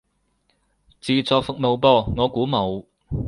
自助服務噃，我估冇